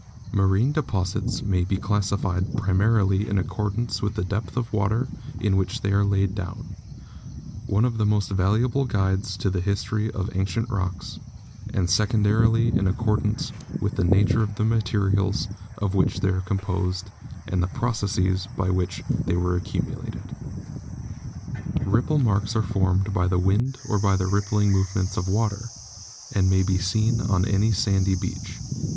Marine deposits may be classified primarily in accordance with the depth of water in which they were laid down, one of the most valuable guides to the history of ancient rocks, and secondarily in accordance with the nature of the material of which they are composed and the processes by which they were accumulated. Ripple marks are formed by the wind or by the rip pling movement of water, and may be seen on any sandy Fig. 26 — Rippled Sandstone. Shells in Chalk. beach.